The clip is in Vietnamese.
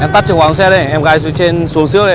em tắt chừng khoáng xe đây em gai xuống trên xuống xước đây